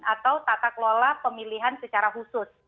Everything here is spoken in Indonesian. atau tata kelola pemilihan secara khusus